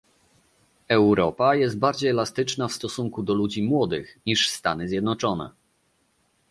Europa jest bardziej elastyczna w stosunku do ludzi młodych niż Stany Zjednoczone